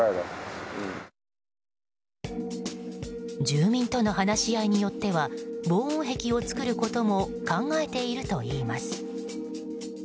住民との話し合いによっては防音壁も作ることも考えているといいます。